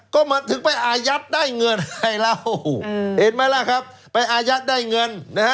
ก็มาถึงไปอายัดได้เงินให้เราเห็นไหมล่ะครับไปอายัดได้เงินนะฮะ